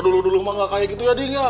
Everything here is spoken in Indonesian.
dulu dulu emak gak kayak gitu ya ding